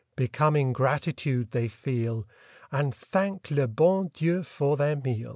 Becoming gratitude they feel. And thank le bon Dieii for their meal.